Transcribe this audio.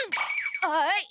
はい！